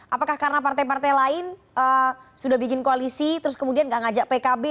apakah karena partai partai lain sudah bikin koalisi terus kemudian gak ngajak pkb